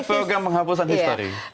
program penghapusan historik